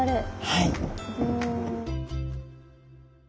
はい。